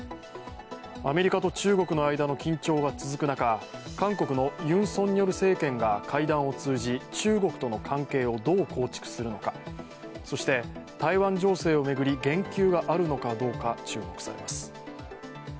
アメリカと中国の間の緊張が続く中、韓国のユン・ソンニョル政権が会談を通じ中国との関係をどう構築するのかそして台湾情勢を巡り言及があるのかも注目されます。